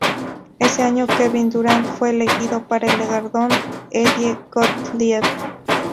Ese año Kevin Durant fue elegido para el galardón Eddie Gottlieb.